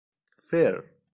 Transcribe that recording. فر